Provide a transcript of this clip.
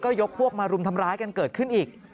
ยกพวกมารุมทำร้ายกันเกิดขึ้นอีก